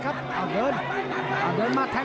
แล้วทีมงานน่าสื่อ